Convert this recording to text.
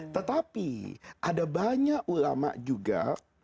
tetapi ada banyak ulama juga